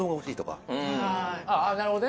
なるほどね。